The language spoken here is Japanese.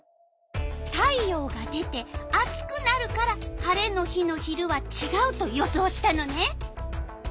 太陽が出て暑くなるから晴れの日の昼はちがうと予想したのね。